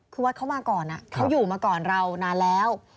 คือวัดเขามาก่อนเขาอยู่มาก่อนเรานานแล้ว